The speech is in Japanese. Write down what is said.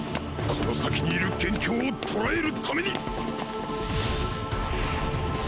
この先にいる元凶を捕える為に！